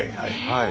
はい。